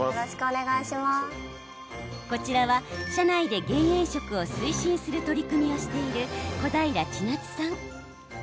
こちらは社内で減塩食を推進する取り組みをしている小平千夏さん。